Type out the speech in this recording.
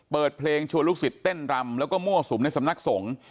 เปิดเพลงชวนลูกศิษย์เต้นรำแล้วก็มั่วสุมในสำนักสงฆ์